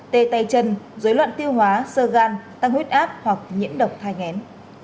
tê tay chân dối loạn tiêu hóa sơ gan tăng huyết áp hoặc nhiễm độc thai ngén